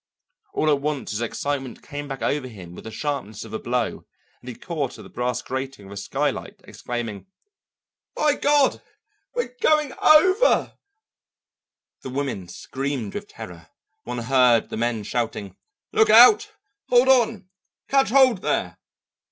All at once his excitement came back upon him with the sharpness of a blow, and he caught at the brass grating of a skylight exclaiming: "By God! We're going over." The women screamed with terror; one heard the men shouting, "Look out! hold on! catch hold there!"